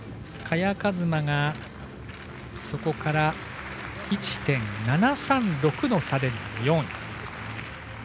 萱和磨がそこから１．７３６の差で４位。